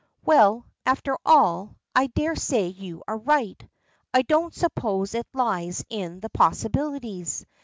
"Well, after all, I daresay you are right. I don't suppose it lies in the possibilities.